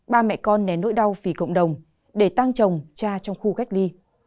ba mẹ con nén nỗi đau vì cộng đồng để tăng trồng cha trong khu cách ly